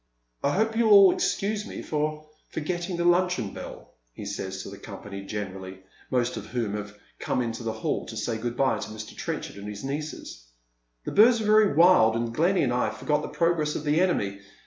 " I hope you'll all excuse me for forgetting the luncheon bell," he says to the company generally, most of whom have come out into the hall to say good bye to Mr. Trenchard and his nieces. " The birds were very wild, and Glenny and I forgot the progress of the enemy.